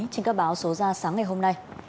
trên các báo số ra sáng ngày hôm nay